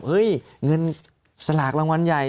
เงินสลากรางวัลใหญ่